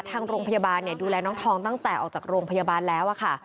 ทางโรงพยาบาลดูแลน้องทองตั้งแต่ออกจากโรงพยาบาลแล้วค่ะ